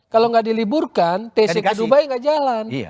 kalau nggak diliburkan tc ke dubai nggak jalan